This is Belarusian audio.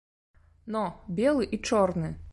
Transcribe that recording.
Но, белы і чорны!